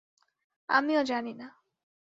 আমিও জানি না।